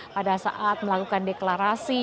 pada saat melakukan deklarasi